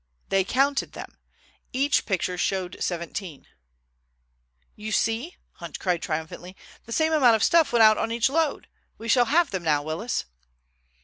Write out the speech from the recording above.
They counted them. Each picture showed seventeen. "You see?" cried Hunt triumphantly. "The same amount of stuff went out on each load! We shall have them now, Willis!"